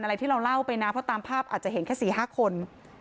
ที่เราเล่าไปนะเพราะตามภาพอาจจะเห็นแค่๔๕คน